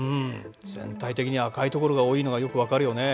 全体的に赤いところが多いのがよく分かるよね。